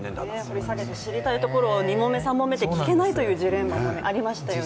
掘り下げて知りたいところを、２問目、３問目で聞けないというジレマンがありましたね。